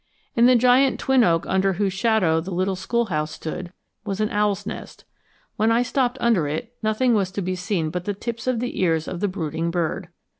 ] In the giant twin oak under whose shadow the the little schoolhouse stood was an owl's nest. When I stopped under it, nothing was to be seen but the tips of the ears of the brooding bird.